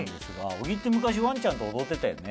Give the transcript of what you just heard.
小木って昔ワンちゃんと踊ってたよね。